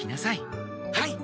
はい！